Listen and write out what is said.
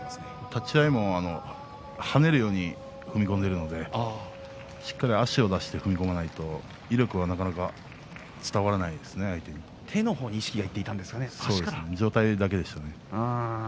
立ち合いも跳ねるように踏み込んでいるのでしっかり足を出して踏み込まないと威力はなかなか手の方に意識が上体だけでしたね。